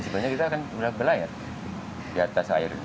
sebenarnya kita akan berlayar di atas air